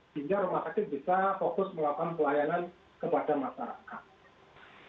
sehingga rumah sakit bisa fokus melakukan pelayanan kepada masyarakat